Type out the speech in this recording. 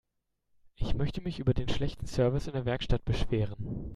Ich möchte mich über den schlechten Service in der Werkstatt beschweren.